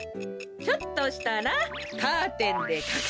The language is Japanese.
ちょっとしたらカーテンでかくします。